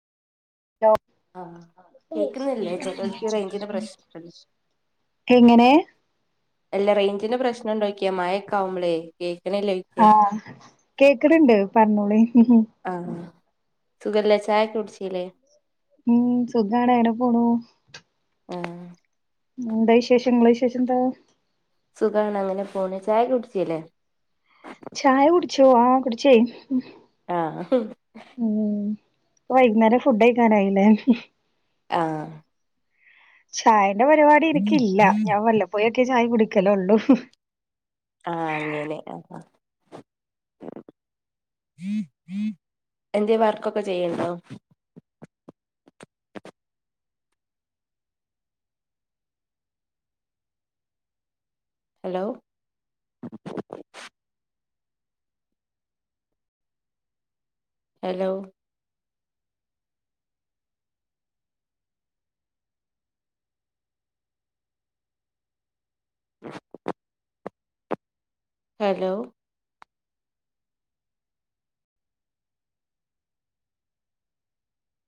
Hello ആഹ് കേക്കുന്നില്ലേ ചെലോൽക്ക് റേഞ്ചിന്റെ പ്രശ്നം [inaudible] എങ്ങനെ അല്ല റേഞ്ചിന്റെ പ്രശ്നംണ്ടോക്കിയ മഴ ഒക്കെ ആവുമ്പളേ കേൾക്കണില്ലേ ആഹ് കേക്കണ്ണ്ട് പറഞ്ഞോളി ആഹ്, സുഖല്ലേ ചായക്കെ കുടിച്ചില്ലേ? ഉം സുഖാണ് എവിടെ പോണു. ആഹ് എന്താ വിശേഷം, ങ്ങള വിശേഷം എന്താ? സുഖാണ് അങ്ങനെ പോണ് ചായൊക്കെ കുടിച്ചില്ലേ? ചായ കുടിച്ചോ ആഹ കുടിച്ചേയിന്ന് ആ ഹും ഉം വൈകുന്നേരം ഫുഡ് കഴിക്കാനായില്ലേ ആഹ്. ചായന്റെ പരിപാടി ഇനിക്കില്ല ഞാൻ വല്ലപ്പോയൊക്കെ ചായ കുടിക്കലലൊള്ളൂ. ആഹ്, അങ്ങനെ, ആഹ്. എന്തേ വർക്കൊക്കെ ചെയ്യിണ്ടോ? ഹലോ ഹലോ ആഹ്. ഹലോ